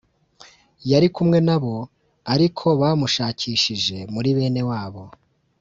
Yari kumwe na bo ariko bamushakishije muri bene wabo